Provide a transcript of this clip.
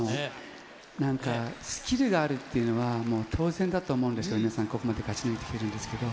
なんか、スキルがあるっていうのは、もう当然だと思うんですけど、皆さん、ここまで勝ち抜いてきてるんですけど。